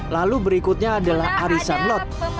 lalu berikutnya adalah arisan lot